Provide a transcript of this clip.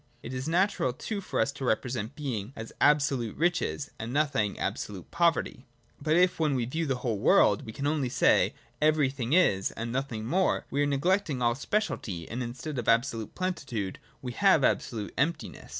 — It is natural too for us to represent Being as absolute riches, and No thing as absolute poverty. But if when we view the whole world we can only say that everything is, and nothing more, we are neglecting all speciality and, instead of abso lute plenitude, we have absolute emptiness.